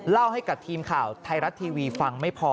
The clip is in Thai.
เล่าให้กับทีมข่าวไทยรัฐทีวีฟังไม่พอ